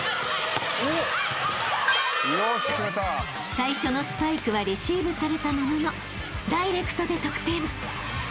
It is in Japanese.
［最初のスパイクはレシーブされたもののダイレクトで得点］